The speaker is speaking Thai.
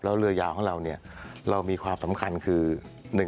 แล้วเรือยาวของเราเนี่ยเรามีความสำคัญคือ